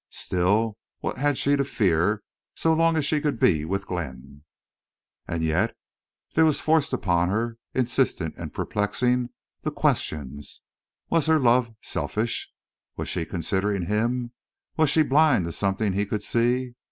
Still, what had she to fear, so long as she could be with Glenn? And yet there were forced upon her, insistent and perplexing, the questions—was her love selfish? was she considering him? was she blind to something he could see?